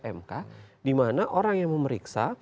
di internal mk dimana orang yang memeriksa